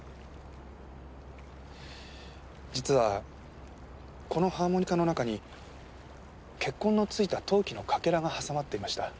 実はこのハーモニカの中に血痕の付いた陶器のかけらが挟まっていました。